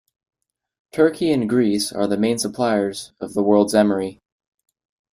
Turkey and Greece are the main suppliers of the world's emery.